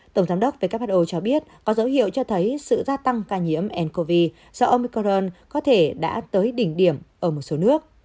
tổng giám đốc who cho biết có dấu hiệu cho thấy sự gia tăng ca nhiễm ncov do omicron có thể đã tới đỉnh điểm ở một số nước